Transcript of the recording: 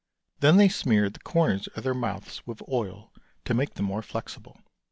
Then they smeared the corners of their mouths with oil to make them more flexible.